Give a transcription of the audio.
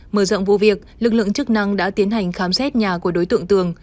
mở rộng vụ việc lực lượng chức năng đã tiến hành khám xét nhà của đối tượng tường